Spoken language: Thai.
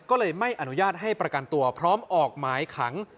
ก็เลยไม่อนุญาตให้ประกันตัวพร้อมออกหมายขัง